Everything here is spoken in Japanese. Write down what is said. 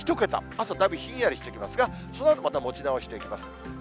朝だいぶひんやりしていますが、そのあとまた持ち直していきます。